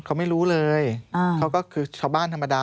เขาไม่รู้เลยเขาก็คือชาวบ้านธรรมดา